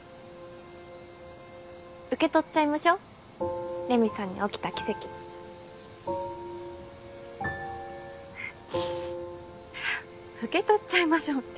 受け取っちゃいましょレミさんに起きた奇跡。ははっううっははっ受け取っちゃいましょって。